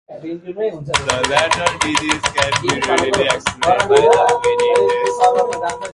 The latter disease can be readily excluded by the quinine test.